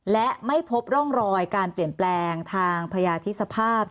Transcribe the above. และไม่พบร่องรอยการเปลี่ยนแปลงทางพยาธิสภาพ